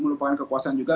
melupakan kekuasaan juga